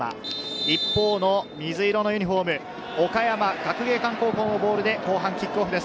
一方の水色のユニホーム、岡山学芸館高校のボールで後半キックオフです。